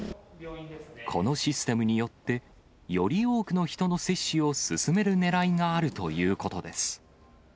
このシステムによって、より多くの人の接種を進めるねらいがあるということです。